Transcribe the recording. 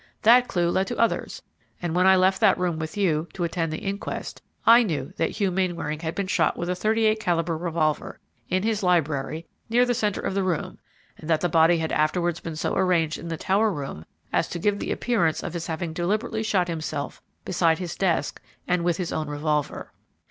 That clue led to others, and when I left that room with you, to attend the inquest, I knew that Hugh Mainwaring had been shot with a 38 calibre revolver, in his library, near the centre of the room, and that the body had afterwards been so arranged in the tower room as to give the appearance of his having deliberately shot himself beside his desk and with his own revolver."